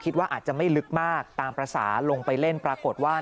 คิดว่าอาจจะไม่ลึกมากตามภาษาลงไปเล่นปรากฏว่า